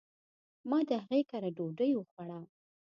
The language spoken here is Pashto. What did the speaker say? ما د هغي کره ډوډي وخوړه